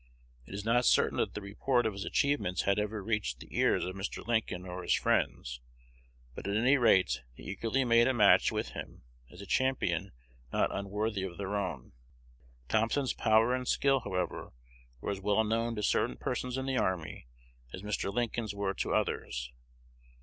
It is not certain that the report of his achievements had ever reached the ears of Mr. Lincoln or his friends; but at any rate they eagerly made a match with him as a champion not unworthy of their own. Thompson's power and skill, however, were as well known to certain persons in the army as Mr. Lincoln's were to others.